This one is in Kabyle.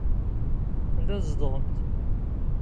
Anda tzedɣemt?